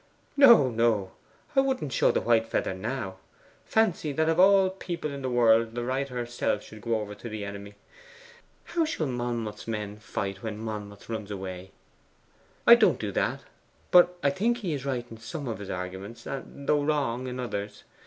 'No, no; I wouldn't show the white feather now! Fancy that of all people in the world the writer herself should go over to the enemy. How shall Monmouth's men fight when Monmouth runs away?' 'I don't do that. But I think he is right in some of his arguments, though wrong in others.